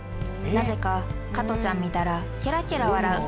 「なぜか加トちゃん見たらケラケラ笑う」